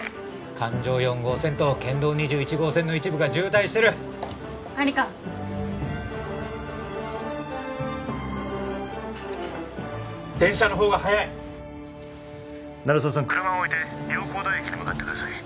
環状４号線と県道２１号線の一部が渋滞してる管理官電車のほうが早い鳴沢さん車を置いて洋光台駅に向かってください